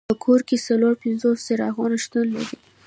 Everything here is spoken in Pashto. په کور کې څلور پنځوس څراغونه شتون لري.